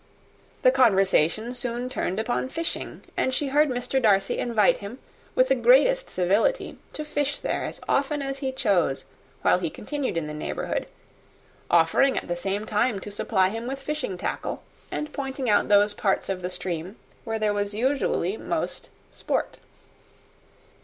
The conversation soon turned upon fishing; and she heard Mr. Darcy invite him, with the greatest civility, to fish there as often as he chose, while he continued in the neighbourhood, offering at the same time to supply him with fishing tackle, and pointing out those parts of the stream where there was usually most sport.